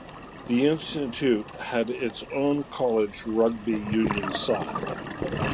The Institute had its own college rugby union side.